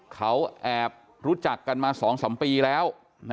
เขาแอบรู้จักกันมา๒๓ปีแล้ว